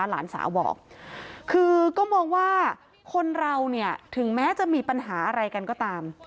หลานสาวบอกคือก็มองว่าคนเราเนี่ยถึงแม้จะมีปัญหาอะไรกันก็ตาม